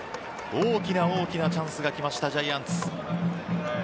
大きな大きなチャンスが来ましたジャイアンツ。